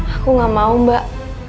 aku gak mau mbak